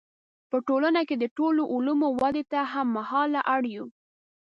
په ټولنه کې د ټولو علومو ودې ته هم مهاله اړ یو.